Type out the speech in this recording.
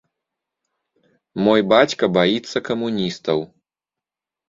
Мой бацька баіцца камуністаў.